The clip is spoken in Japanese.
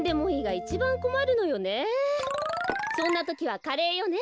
そんなときはカレーよね。